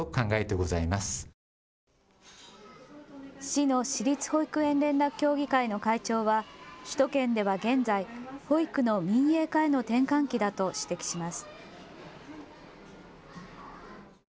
市の私立保育園連絡協議会の会長は首都圏では現在、保育の民営化への転換期だと指摘します。